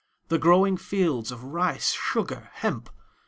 the growing fields of rice, sugar, hemp!